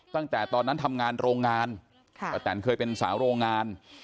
ตั้งแต่ตอนนั้นทำงานโรงงานป้าแตนเคยเป็นสาวโรงงาน